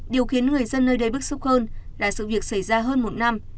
điều khiến người dân nơi đây bức xúc hơn là sự việc xảy ra hơn một năm